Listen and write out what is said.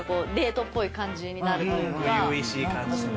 初々しい感じね。